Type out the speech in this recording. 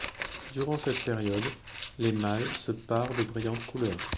Durant cette période, les mâles se parent de brillantes couleurs.